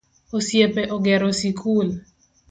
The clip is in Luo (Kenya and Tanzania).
Osiepe ogero sikul